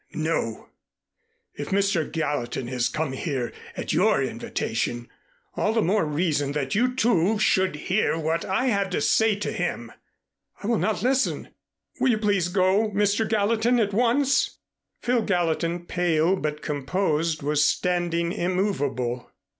"No! If Mr. Gallatin has come here at your invitation, all the more reason that you, too, should hear what I have to say to him." "I will not listen. Will you please go, Mr. Gallatin, at once?" Phil Gallatin, pale but composed, was standing immovable.